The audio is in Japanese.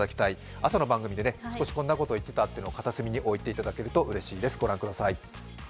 朝の番組で少しこんなことを言ってたというのを片隅においていただけるとうれしいです。